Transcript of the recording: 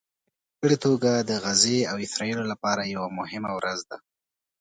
په ځانګړې توګه د غزې او اسرائیلو لپاره یوه مهمه ورځ ده